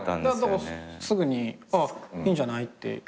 だからすぐにああいいんじゃないって。